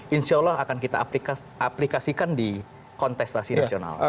insya allah akan kita aplikasikan di kontestasi nasional